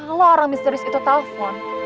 kalau orang misterius itu telpon